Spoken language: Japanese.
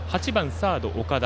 ８番、サード、岡田。